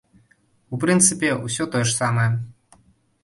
У прынцыпе, усё тое ж самае.